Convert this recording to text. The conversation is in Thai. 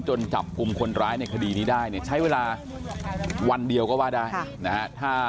จับกลุ่มคนร้ายในคดีนี้ได้เนี่ยใช้เวลาวันเดียวก็ว่าได้นะฮะ